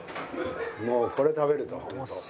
もうこれ食べると。